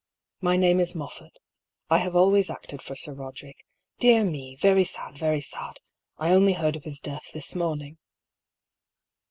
" My name is Moffatt. I have always acted for Sir Roderick. Dear me I Very sad, very sad I I only heard of his death this morning."